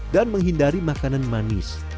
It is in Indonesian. dan menghindari makanan manis